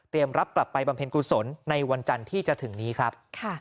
รับกลับไปบำเพ็ญกุศลในวันจันทร์ที่จะถึงนี้ครับ